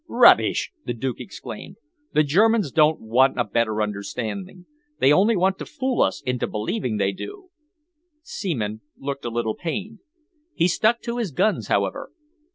"Rubbish!" the Duke exclaimed. "The Germans don't want a better understanding. They only want to fool us into believing that they do." Seaman looked a little pained. He stuck to his guns, however.